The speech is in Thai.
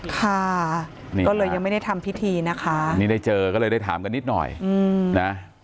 ค่ะก็เลยยังไม่ได้ทำพิธีนะคะนี่ได้เจอก็เลยได้ถามกันนิดหน่อยนะ